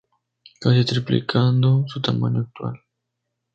Casi triplicando su tamaño actual.